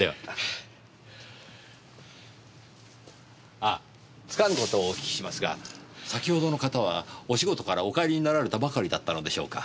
あっつかぬ事をお聞きしますが先ほどの方はお仕事からお帰りになられたばかりだったのでしょうか？